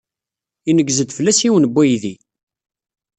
Ineggez-d fell-as yiwen n uydi.